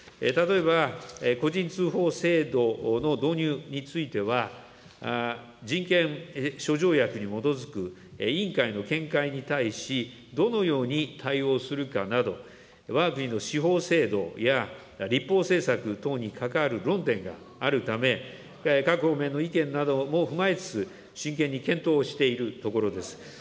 例えば個人通報制度の導入については、人権諸条約に基づく、委員会の見解に対し、どのように対応するかなど、わが国の司法制度や立法政策等に係る論点があるため、各方面の意見なども踏まえつつ、真剣に検討をしているところです。